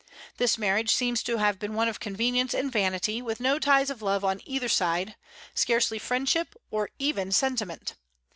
This marriage seems to have been one of convenience and vanity, with no ties of love on either side, scarcely friendship, or even sentiment.